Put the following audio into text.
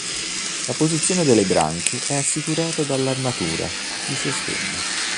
La posizione delle branche è assicurata dall'armatura di sostegno.